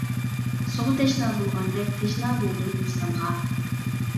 سۇغا تەشنا بولغاندەك، تەشنا بولدۇم بۇ سانغا.